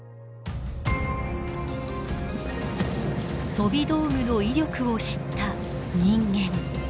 飛び道具の威力を知った人間。